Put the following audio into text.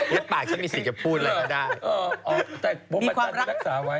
แล้วปากฉันมีสิทธิ์จะพูดอะไรก็ได้